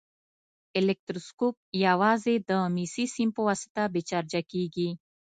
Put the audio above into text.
الکتروسکوپ یوازې د مسي سیم په واسطه بې چارجه کیږي.